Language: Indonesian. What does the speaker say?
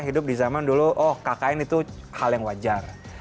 hidup di zaman dulu oh kkn itu hal yang wajar